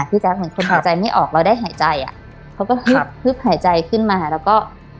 แจ๊คเหมือนคนหายใจไม่ออกเราได้หายใจอ่ะเขาก็ฮึบฮึบหายใจขึ้นมาแล้วก็